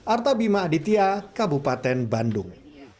arta bima aditya kabupaten bandung